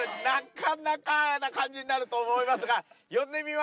なかなかな感じになると思いますが。